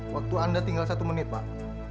waktu anda tinggal satu menit pak